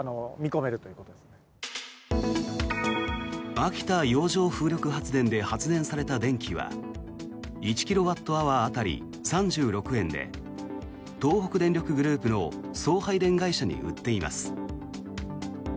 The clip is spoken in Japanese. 秋田洋上風力発電で発電された電気は１キロワットアワー当たり３６円で東北電力グループの送配電会社に売っています。